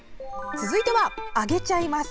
続いては揚げちゃいます。